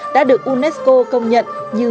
đã được unesco công nhận như